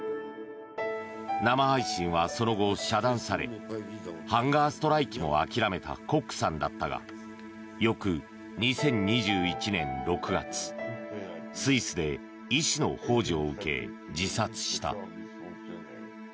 生配信はその後、遮断されハンガーストライキも諦めたコックさんだったが翌２０２１年６月スイスで医師のほう助を受け自殺した。